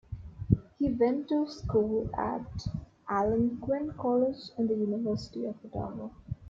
He went to school at Algonquin College and the University of Ottawa.